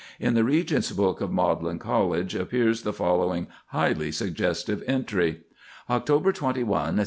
In the Regents' Book of Magdalene College appears the following highly suggestive entry:— "Oct 21, 1653.